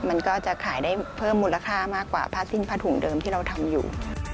มันก็จะขายได้เพิ่มมูลค่ามากกว่าผ้าสิ้นผ้าถุงเดิมที่เราทำอยู่